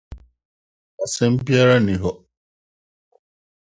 Asɛm biara nni ho.